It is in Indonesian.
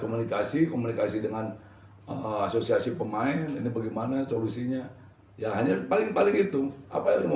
komunikasi komunikasi dengan asosiasi pemain ini bagaimana solusinya yang hanya paling paling itu apa